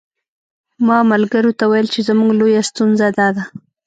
ما ملګرو ته ویل چې زموږ لویه ستونزه داده.